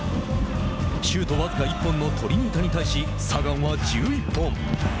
シュート僅か１本のトリニータに対しサガンは１１本。